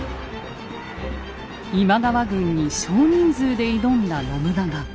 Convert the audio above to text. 今川軍に少人数で挑んだ信長。